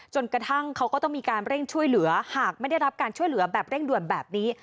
กระทั่งเขาก็ต้องมีการเร่งช่วยเหลือหากไม่ได้รับการช่วยเหลือแบบเร่งด่วนแบบนี้